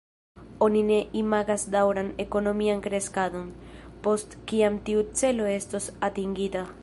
Oni ne imagas daŭran ekonomian kreskadon, post kiam tiu celo estos atingita.